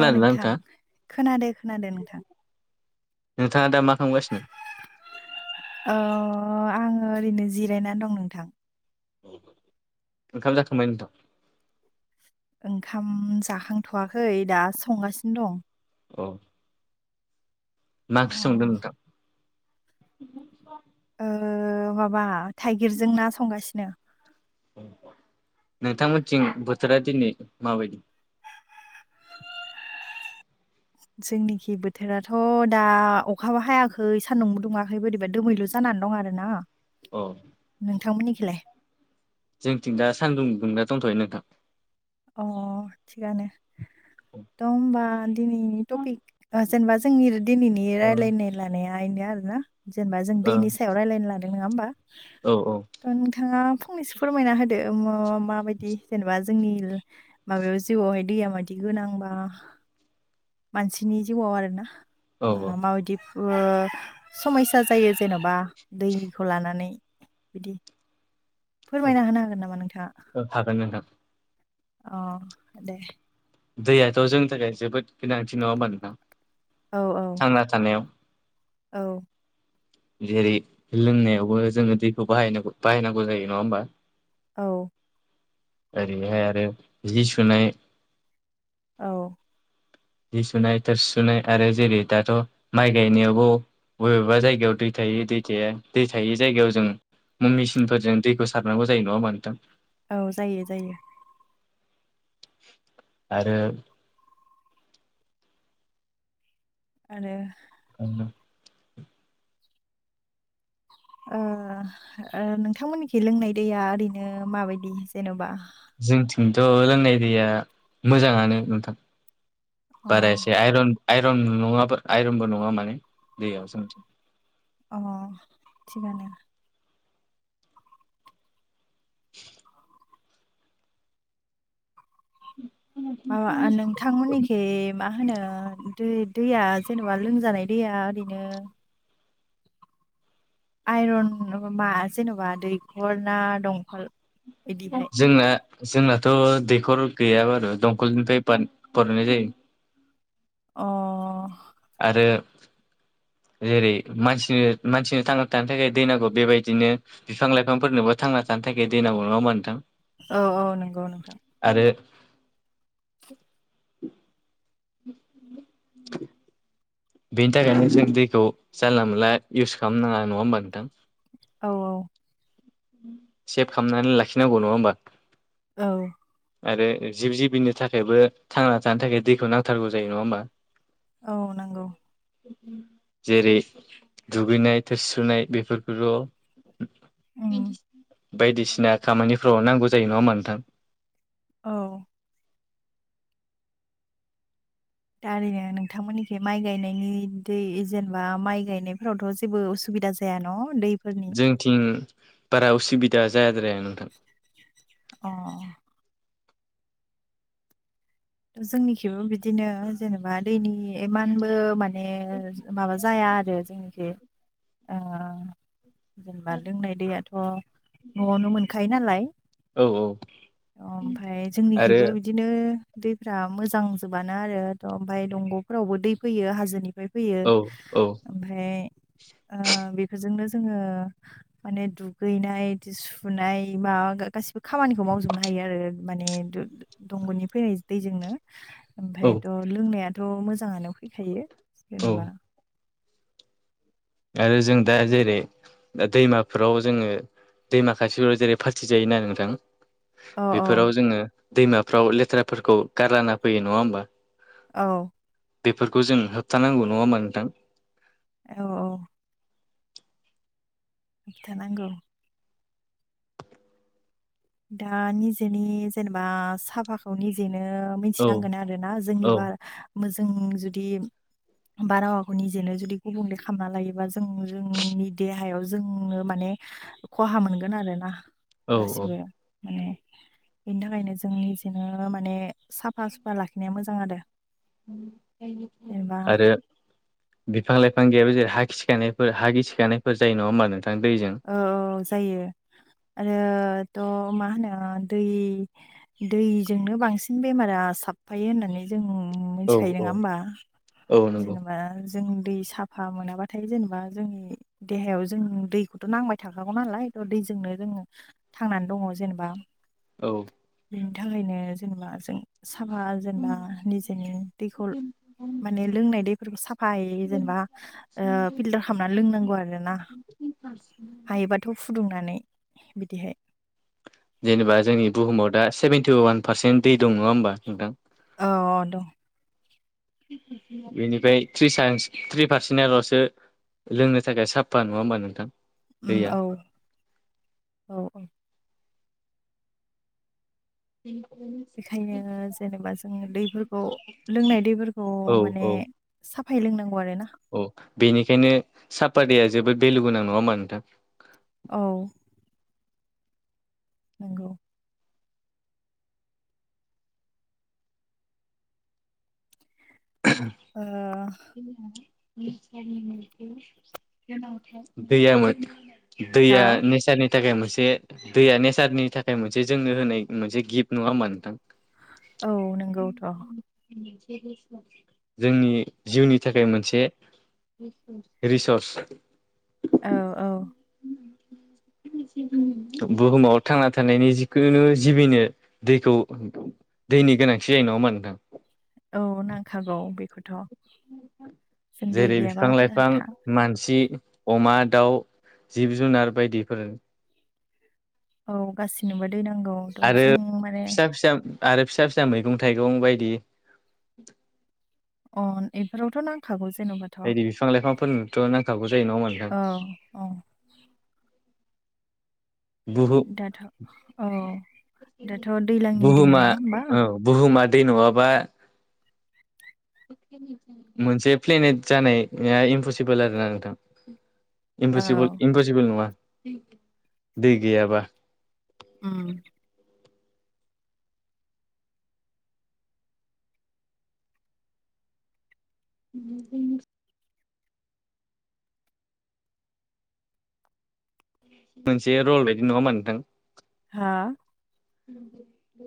अ नोंथां नोंथाङा खोनादो खोनादो नोंथां? नोंथाङा दा मा खालामगासिनो? ओ आङो ओरैनो जिरायना दं नोंथां। ओंखाम जाखांबाय नोंथां? ओंखाम जाखांथ'वाखै दा संगासिनो दं। औ। मा अ ओंख्रि संदों नोंथां? ओ माबा थाइगिरजों ना संगासिनो। नोंथांमोनथिं बोथोरा दिनै माबायदि जोंनिखि बोथोराथ' दा अखाबो हायाखै सान्दुंबो दुङाखै बोरैबा दोमैलु। जानानै दं आरोना। औ। नोंथांमोननिखिलाय। जोंथिं दा सान्दुं दुंना दंथ'यो नोंथां। अ थिगानो थ' होमबा दिनैनि टपिक ओ जेनबा जोंनि दिनैनि ओ रायलायनाय लानाया इनो आरोना। जेनबा जों दैनि सायाव रायलायनो लादों। नोङा होमबा? औ औ। दा नोंथाङा फंनैसो फोरमायना होदो म माबायदि जेनेबा जोंनि माबायाव जिउआवहाय दैया मायदि गोनां बा मानसिनि जिउआव आरोना औ बा औ मा बायदि ओ समयसा जायो जेन'बा दैखौ लानानै बिदि। फोरमायना होनो हागोन नामा नोंथाङा? औ हागोन नोंथां। अ दे। दैयाथ' जोंनि थाखाय जोबोद गोनांथि। नङा होमबा नोंथां? औ औ। थांना थानायाव। औ। जेरै लोंनायावबो जोङो दैखौ बाहाय नांगौ बाहायनांगौ जायो। नङा होमबा? औ। ओरैहाय आरो जि सुनाय औ जि सुनाय थोरसि सुनाय आरो जेरै दाथ' माइ गायनायावबो बबेबा जायगायाव दै थायो दै थाया। दै थायै जायगायाव जों मुं मिसिनफोरजों दैखौ सारनांगौ जायो। नङा ओमबा नोंथां? औ जायो जायो। आरो आरो [unintelligible] ओ ओ नोंथांमोनिखि लोंनाय दैया ओरैनो माबायदि जेनबा? जोंथिंथ' लोंनाय दैया मोजाङानो नोंथां। अ बारा एसे आयरन आयरन नङाबोर आइरनबो नङा माने दैयाव जोंथि। अ थिगानो। [inaudible] [inaudible] माबा नोंथांमोननिखै मा होनो दै-दैया जेनेबा लोंजानाय दैया ओरैनो आइरन मा जेन'बा दैखर ना दंख'ल? बिदिहाय जोंना जोंनाथ' दैखर गैया बारु। दंखलनिफाय बान-बानायनाय जायो। अ आरो जेरै मानसिनो मानसिनो थांना थानो थाखाय दै नांगौ बेबायदिनो बिफां लाइफांफोरनोबो थांना थानो थाखाय दैे नांगौ। नङा होमबा नोंथां? औ औ नोंगौ नोंथां। आरो [inaudible] बेनि थाखायनो जों दैखौ जानला मोनला इउस खालाम नाङा। नङा होमबा नोंथां? औ औ। सेभ खालामनानै लाखिनांगौ नङा होमबा? औ। आरो जिब जिबिनो थाखायबो थांना थानो थाखाय दैखौ नांथारगौ जायो। नङा होमबा? औ नंगौ [inaudible] जेरै दुगैनाय थोरसुनाय बेफोरखौल' उम बायदिसिना खामानिफ्राव नांगौ जायो नङा हा नोंथां? औ। दा ओरैनो नोंथांमोननिखि माइ गायनायनि दै जेनेबा माइ गायनायफोरावथ' जेबो उसुबिदा जायो। ज न' दै जोंथिं बारा उसुबिदा जायाद्राय नोंथां। अ जोंनिखेबो बिदिनो जेनेबा दैनि इमानबो मान माने माबा जाया आरो जोंनिखि जेनेबा लोंनाय दैयाथ' न'आवनो मोनखायो नालाय औ औ अ ओमफ्राय आरो जोंनिखेबो बिदिनो दैफ्रा मोजां जोबानो आरो' ओमफ्राय दंग'फोरावबो दै फैयो हाजोनि। बेाय फैयो औ औ ओमफफ्राय बेफोरजोंनो जोङो। माने दुगैनाय सुनाय माबा गासिबो खामानिखौ मावजोबनो हायो आरो माने दंग'नि फैनाय। दैजोंनो औ ओमफ्रायायथ' लोंनायाथ' मोजाङानो फैखायो औ जेन'बा आरो जों दा जेरै दा दैमाफोराव जोङो दैमा खाथिफोराव जेरै फाथि जायोना नोंथां। औ बेफोराव जोङो दैमाफ्राव लेथ्राफोरखौ गारलाना फैयो नङा होमबा। औ। बेफोरखौ जों होबथानांगौ नङा होनमा नोंथां। औ औ। खिथाानांगौ दा निजेनि जेनेबा साफाखौ निजेनो औ मिथिनांगोन आरोोना जोंनि औ बार मो जों जुदि बा रावाखौ निजेनो जुदि गुबुंले खालामामना लायोबा जों जोंनि देहायाव जोंनो माने। खहा मोनगोन आरोना औ गासिबो। माने [inaudible] बेनि थाखायनो जों निजेनो माने साफा सुफा लाखिनाया मोजां आरो। जेनेबा आरो बिफां लाइफां गैयाबो जेरै ह खिखानायफोर हा गिखानायफोर जायो नङा होमबा नोंथां दैजों। औ जायो आरोथ' मा होनो दै। दैजोंनो बांसिन बेमारा साब थफायो होननानै जों औ मिथिखायो नङा औ होमबा औ नंगौ जेनेबा जों दै साफा मोनाबाथाय जेनेबा जोंनि देहायाव जों दैखौ नांबाय थाखागौ नालाय थ दैजोंनो जोङो थांनानै दङ जेनेबा औ। बेनि थाखायनो जेनेबा जों साफा जेनेबा निजेनि दैखौ। माने लोंनाय दैफोरखौ साफायै जेनेबा फिलटार खालामनानै लोंनांगौ आरो ना? बारसि हायोबाथ' फुदुंनानै बिदिहाय जेनेबा जोंनि बुहुमाव दा सेभेेनटि ववान पारसेन्ट दै दं नङा होमबा नोंथां? औ दं बेनिफ्राय थ्रि सस थ्रि पारसेन्टल'सो। लोंनो थाखाय साफा नङा होमबा नोंथां। दैया औ औ औ। बेखायनो जेनेबा जों दैफोरखौ लोंनाय दैफोरखौ औ माने। औ साफाय लोंनांगौ आरो ना? औ बेनिखायनो सापादया जोबोद भेलु गोनां नङा हा नोंथां। औ। नोंगौ। [inaudible] गैयामोन हा दैया नेचारनि थाखाय मोनसे दैया नेचारनि थाखाय मोनसे जोंनो होनाय मोनसे गिफ्ट नङा होमा नोंथां औ नंगौ नोंथां जोंनि जिउनि थाखाय मोनसे रिसर्स औ औ। [inaudible] बुहुमाव थांना थानायनि जिखुनु जिबिनो दैखौ दैनि गोनांथि जायो नङाोमा नोंथां। औ नांखागौ बेखौथ' जों दै जेरै बिफां गैयाबा लाइफां थां। मानसि अमा दाउ जिब जुनार बायदिफोर औ गासैनोबो दै नंगौ। आरो फिसा फिसा आरो फिसा फिसा मैगं थाइगं बायदि अ बेफोरावथ' नांखागौ जेन'बा बायदि बिफां लाइफांफोरनोथ' नांखागौ जायो नङामा औ औ। बहु- दाथ' औ दाथ' दैज्लांनि दिन बुहुमा नङा होमबा औ बुहुमादै नङाब्ला मोनसे प्लेनेट जानाया इमपसिबोल आरोना नोंथां। औ इमपसिबोल इमपसिबोल नङा दै गैयाब्ला [inaudible] उम मोनसे रल बायदि नङामा नोंथां। हा दे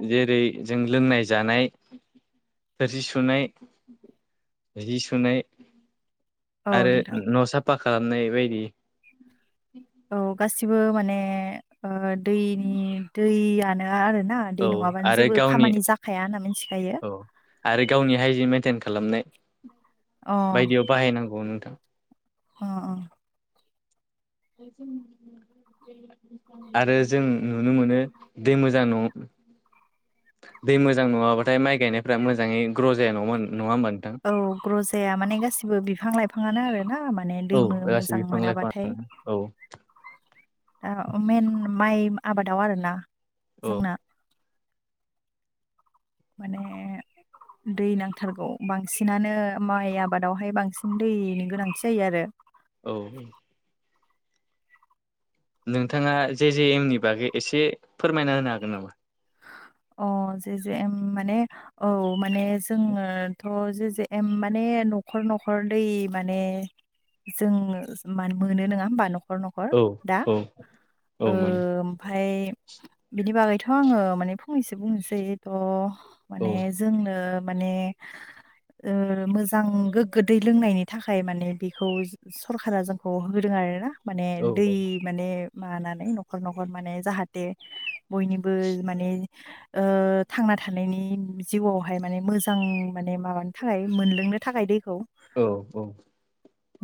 द [unintelligible] जेरै जों लोंनाय जानाय थोरसि सुनाय जि सुनाय औ आरो नोंथां न' साफा खालामनाय बायदि औ गासिबो माने दैनि दैयानो आर ना। दै औ नङाबानो आरो जेबो गावनि खामानि जाखाया होनना मिथिखायो औ आरो गावनि हाय जि मेेनटेन खालामनाय अ बायदियाव बाहायनांगौ नोंथां। अ अ। जों आरो जों नुनो मोनो दै मोजां न' दै मोजां नङाबाथाय माइ गायनायफ्रा मोजाङै ग्र' जाया नङा नङा होमबा नोंथां। ग्र'जाया माने गासिबो बिफां लाइफाङानो आर ना म माने दै औ गासै मोजां बिफां लाइफां मोनाबाथाय औ दा मन माइ आबादाव आरोना औ जोंना माने दै नांथारगौ बांसिनानो माइ आबादावहाय बांसिन दैनि गोनांथि जायो आरो औ। नोंथाङा जे जे एम नि बागै एसे फोरमायना होनो हागोन नामा? अ जा जख माने औ माने जोङोथ' जे जे माने न'खर न'खर दै माने जोंङ म मोनो नङा होमबा न'खर नखर न'खर औ दा औ औ माने ओमफाय बिनि बागैथ' आङो माने फंनैसो बुंनोसै थ' औ माने जोंनो माने मोजां गोगोद दै लोंनायनि थाखाय माने बेखौ। सरखारारा जोंखौ होोदों आर ना माने औ दै। माने माबानानै न'खर न'खर माने जाहाथे बयनिबो माने। थांना थानायनि जिउआवहाय माने मोजां माने माब थाखाय मोनलोंनो थाखाय दैखौ। औ औ।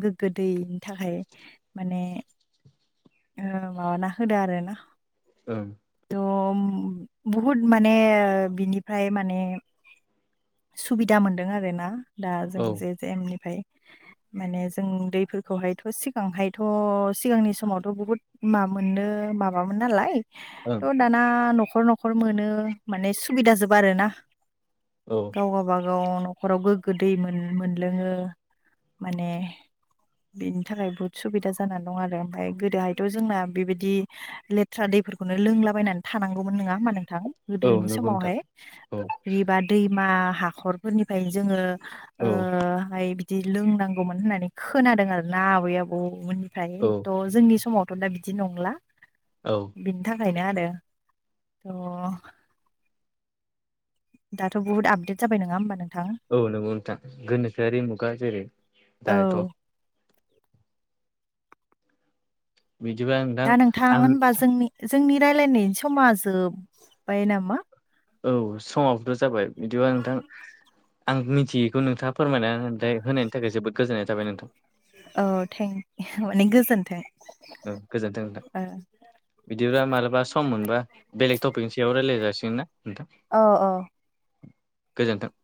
गोग्गो दैनि थाखाय माने माबाना होदो आरो ना [unintelligible] थ' बहुद माने बिनिफ्राय माने। सुबिदा मोनदों आरो ना दा जों औ जे जमनिफ्राय माने जों दैफोरखौहायथ' सिगांहायथ' सिगांनि समाव'। थ' बुहुत मा मोननो माबामोन नालाय ओं थ' दाना न'खर न'खर। न'खर मोनो माने सुबिदा जोब आरो ना। औ। गाव गावाबागाव न'खराव गोग्गो दै मोनलोङो माने। बेनि थाखाय बहुत सुबिदा जानानै दं आरो ओमफ्राय गो दहायथ' जोंना बेबायदि लेथ्रा दैफोरखौनो लोंलाबायनानै थानांगौमोन नङा होमा नोंथां? औ गोदोनि नंगौ नोंथां समावहाय औ फुख्रि बा दैमा हाखरफोरनिफ्राय औ जोङोहाय। बिदि लोंनांगौमोन होननानै खोनादों आर ना आबै औ आबौमोननिफ्रायथ' जोंनि। समावथ' दा बिदि नंला। औ बिनि थाखायनो आरो थ' दाथ' बहुथ आपदेटाबाय नङा होमबा नोंथां औ नंगौ नोंथां गोनोसोआरि मुगा जेरै दाथ'। औ बिदिबाय दा नोंथां होनबा जोंनि जोंनि रायजलायनायनि समा जोब्बाय नामा? औ समावबोथ' जाबाय बिदिबा नोंथां आं मिथियो। बेखौ नोंथाङा फोरमायनानैथाय होनायनि थाखाय जोबोद गोजोननाय जाबाय नोंथां। औ थें माने गोजोन्थों। औ गोजोन्थों नोथां बिदिब मालाबा सम मोनबा बेलेग टपिकनि सायाव रायज्लाय जासिगोन ना नोंथां। औ औ। गोजोन्थों